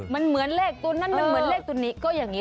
มันเหมือนเลขตัวนั้นมันเหมือนเลขตัวนี้ก็อย่างนี้